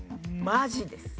マジです。